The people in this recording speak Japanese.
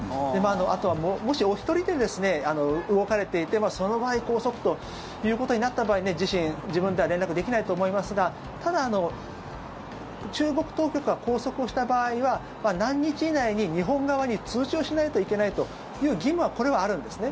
あとは、もしお一人で動かれていてその場合、拘束ということになった場合自身、自分では連絡できないと思いますがただ、中国当局は拘束した場合は何日以内に日本側に通知をしないといけないという義務はあるんですね。